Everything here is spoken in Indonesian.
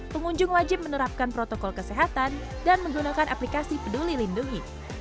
pengunjung wajib menerapkan protokol kesehatan dan menggunakan aplikasi peduli lindungi